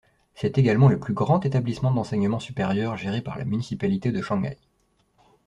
C'est également le plus grand établissement d'enseignement supérieur géré par la municipalité de Shanghai.